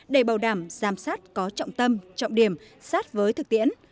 để bảo đảm giám sát có trọng tâm trọng điểm sát với thực tiễn